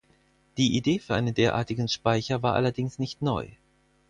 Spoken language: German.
Die Idee für einen derartigen Speicher war allerdings nicht neu.